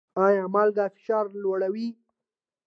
ایا مالګه فشار لوړوي؟